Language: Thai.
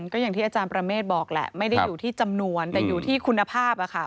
ก็อย่างที่อาจารย์ประเมฆบอกแหละไม่ได้อยู่ที่จำนวนแต่อยู่ที่คุณภาพ